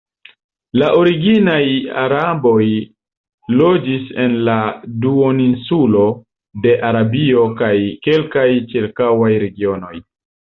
La originaj araboj loĝis en la duoninsulo de Arabio kaj kelkaj ĉirkaŭaj regionoj.